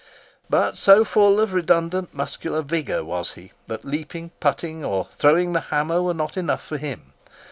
But so full of redundant muscular vigour was he, that leaping, putting, or throwing the hammer were not enough for him.